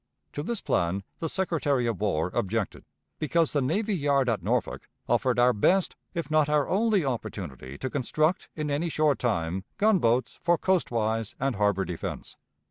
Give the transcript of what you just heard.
To this plan the Secretary of War objected, because the navy yard at Norfolk offered our best if not our only opportunity to construct in any short time gunboats for coastwise and harbor defense.